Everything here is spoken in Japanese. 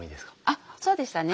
あっそうでしたね。